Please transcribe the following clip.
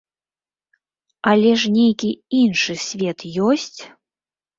Але ж нейкі іншы свет ёсць!